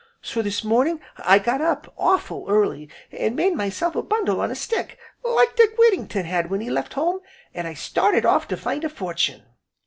So this morning I got up, awful' early, an' made myself a bundle on a stick, like Dick Whittington had when he left home, an' I started off to find a fortune."